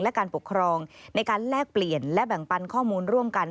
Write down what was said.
และการปกครองในการแลกเปลี่ยนและแบ่งปันข้อมูลร่วมกัน